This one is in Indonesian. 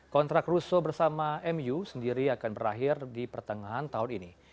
kontrak russo bersama mu sendiri akan berakhir di pertengahan tahun ini